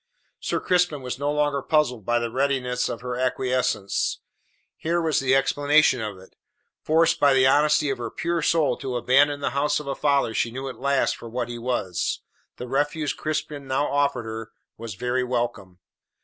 Sir Crispin was no longer puzzled by the readiness of her acquiescence. Here was the explanation of it. Forced by the honesty of her pure soul to abandon the house of a father she knew at last for what he was, the refuge Crispin now offered her was very welcome.